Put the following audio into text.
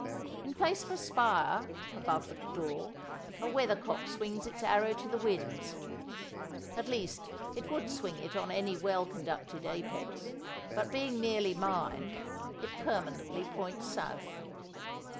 In place of a spire, above the door, a weathercock swings its arrow to the winds—at least, it would swing it on any well conducted apex, but being merely mine it permanently points south.